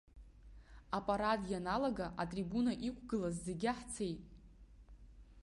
Апарад ианалга, атрибуна иқәгылаз зегьы ҳцеит.